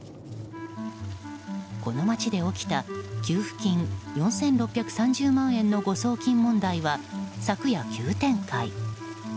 この町で起きた給付金４６３０万円の誤送金問題は昨夜、急展開。